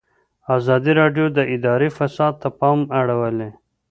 ازادي راډیو د اداري فساد ته پام اړولی.